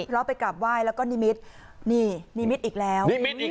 แบบไปกลับไหว้แล้วก็นิมิตรนี้นิมิตรอิกแล้ว